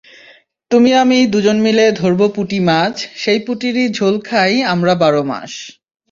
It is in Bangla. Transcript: তুমি আমি দুজন মিলে ধরব পুঁটি মাছসেই পুঁটিরই ঝোল খাই আমরা বারো মাস।